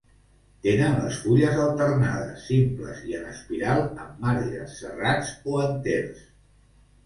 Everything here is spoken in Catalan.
Tenen les fulles alternades, simples i en espiral amb marges serrats o enters.